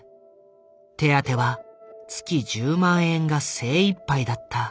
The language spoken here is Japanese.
手当は月１０万円が精いっぱいだった。